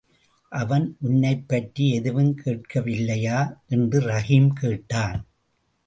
அவன் உன்னைப்பற்றி எதுவும் கேட்கவில்லையா என்று ரஹீம் கேட்டான்.